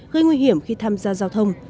gây nguy hiểm khi tham gia giao thông